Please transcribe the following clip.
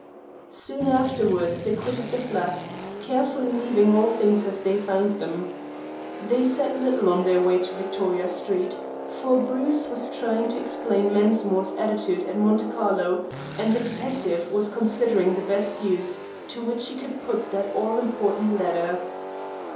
Soon afterwards they quitted the flat, carefully leaving all things as they found them. They said little on their way to Victoria Street, for Bruce was trying to explain Mensmore's attitude at Monte Carlo, and the detective was considering the best use to which he could put that all important letter.